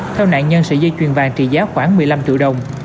theo nạn nhân sợi dây chuyền vàng trị giá khoảng một mươi năm triệu đồng